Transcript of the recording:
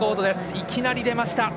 いきなり出ました。